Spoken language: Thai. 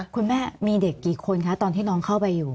คุณแม่มีเด็กกี่คนคะตอนที่น้องเข้าไปอยู่